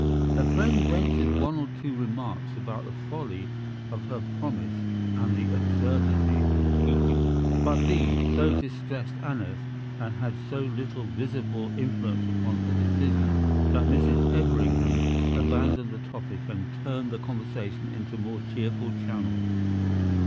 Her friend ventured one or two remarks about the folly of her promise and the absurdity of keeping it; but these so distressed Aneth, and had so little visible influence upon her decision, that Mrs. Everingham abandoned the topic and turned the conversation into more cheerful channels.